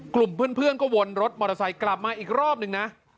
กลุ่มเพื่อนก็วนรถมอเตอร์ไซค์กลับมาอีกรอบนึงนะ